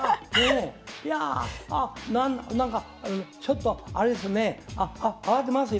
いやあなんかちょっとあれですね慌てますよね。